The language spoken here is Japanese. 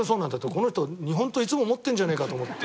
この人日本刀いつも持ってんじゃねえかと思って。